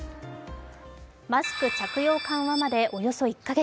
マスク着用緩和まで、およそ１か月。